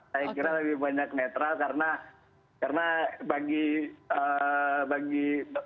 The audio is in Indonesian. saya kira lebih banyak netral karena bagi